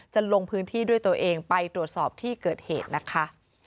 ลงพื้นที่ด้วยตัวเองไปตรวจสอบที่เกิดเหตุนะคะ